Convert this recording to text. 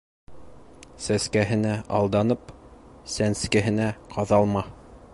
Сәскәһенә алданып, сәнскеһенә ҡаҙалма.